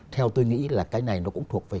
theo tôi nghĩ là cái này nó cũng thuộc về